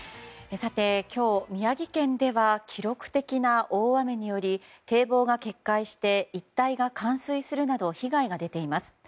今日、宮城県では記録的な大雨により堤防が決壊して一帯が冠水するなど被害が出ています。